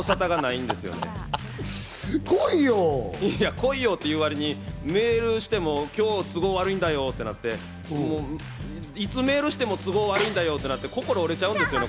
来いよって言うわりにメールしても、今日都合悪いんだよってなって、いつメールしても都合悪いんだよってなって心が折れちゃうんですよね。